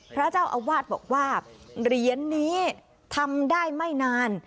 พระเจ้าอาวาสบอกว่าเหรียญนี้ทำได้ไม่นาน